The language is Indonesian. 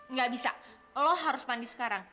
nggak bisa lo harus mandi sekarang